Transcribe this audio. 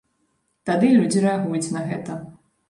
Тады людзі рэагуюць на гэта.